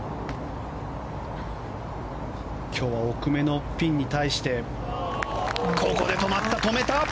今日は奥めのピンに対してここで止めた！